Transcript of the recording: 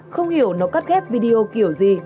không hiểu nó cắt ghép video kiểu gì